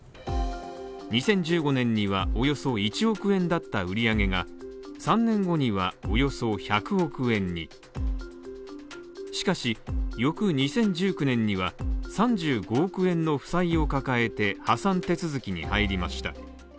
２０１５年にはおよそ１億円だった売り上げが３年後には、およそ１００億円にしかし、翌２０１９年には３５億円の負債を抱えて破産手続きに入りました。